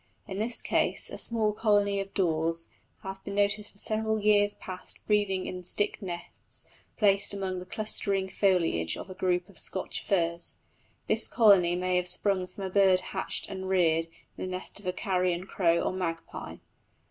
In this case a small colony of daws have been noticed for several years past breeding in stick nests placed among the clustering foliage of a group of Scotch firs. This colony may have sprung from a bird hatched and reared in the nest of a carrion crow or magpie.